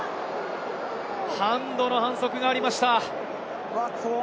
ハンドの反則がありました。